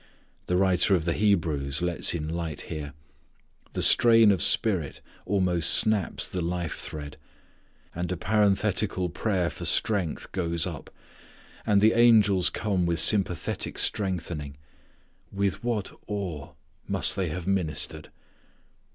The writer of the Hebrews lets in light here. The strain of spirit almost snaps the life thread. And a parenthetical prayer for strength goes up. And the angels come with sympathetic strengthening. With what awe must they have ministered!